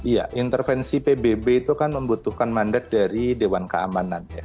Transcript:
ya intervensi pbb itu kan membutuhkan mandat dari dewan keamanan ya